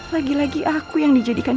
lagi lagi aku yang dijadikan